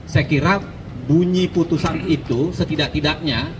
saya kira bunyi putusan itu setidak tidaknya